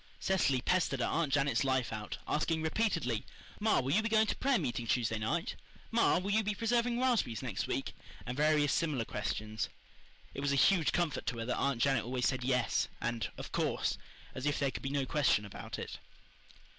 Cecily pestered Aunt Janet's life out, asking repeatedly, "Ma, will you be washing Monday?" "Ma, will you be going to prayer meeting Tuesday night?" "Ma, will you be preserving raspberries next week?" and various similar questions. It was a huge comfort to her that Aunt Janet always said, "Yes," or "Of course," as if there could be no question about it.